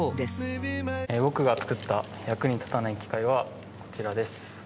僕が作った役に立たない機械はこちらです。